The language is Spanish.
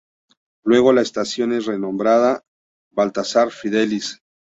Luego, la estación es renombrada Baltazar Fidelis.